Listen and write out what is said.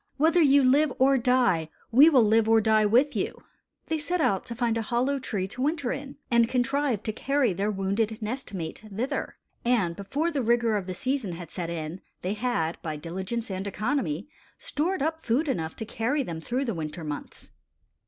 Whether you live or die, we will live or die with you." They sought out a hollow tree to winter in, and contrived to carry their wounded nest mate thither; and before the rigor of the season had set in, they had, by diligence and economy, stored up food enough to carry them through the winter months.